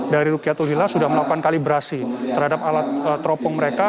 dari rukiatul hilal sudah melakukan kalibrasi terhadap alat teropong mereka